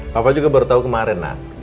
papa juga baru tau kemaren lah